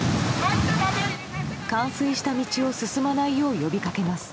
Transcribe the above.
冠水した道を進まないよう呼びかけます。